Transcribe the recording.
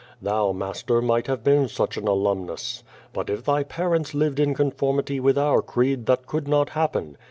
Thou, master, might have been such an alumnus. lUit if thy parents lived in conformity with our creed that could not happen.